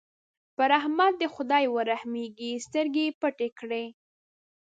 پر احمد دې خدای ورحمېږي؛ سترګې يې پټې کړې.